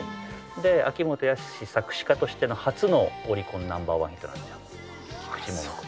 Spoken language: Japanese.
で秋元康作詞家としての初のオリコンナンバーワンヒットなんですよ菊池桃子。